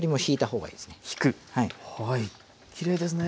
きれいですね。